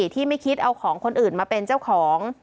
ที่ไม่คิดเอาของคนอื่นมาเป็นเจ้าของ